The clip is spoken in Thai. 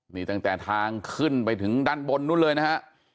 นี่ตั้งแต่ทางขึ้นไปถึงด้านบนนู้นเลยนะฮะ